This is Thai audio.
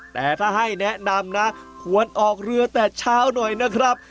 แต่ถ้าให้แนะนำนะควรออกเรือแต่เช้าหน่อยนะครับ